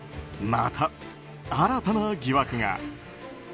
また新たな疑惑が。